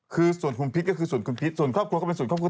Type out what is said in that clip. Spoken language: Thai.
คือส่วนคุณพิษก็คือส่วนคุณพิษส่วนครอบครัวก็เป็นส่วนครอบครัว